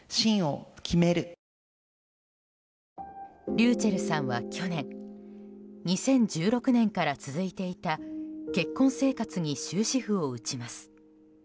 ｒｙｕｃｈｅｌｌさんは去年２０１６年から続いていた結婚生活に終止符を打ちます。